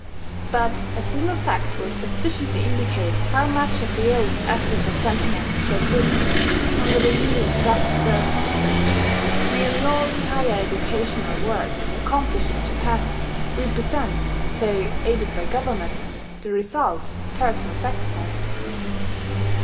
But a single fact will sufficiently indicate how much of the old ethical sentiment persists under the new and rougher surface: Nearly all the higher educational work accomplished in Japan represents, though aided by Government, the results of personal sacrifice.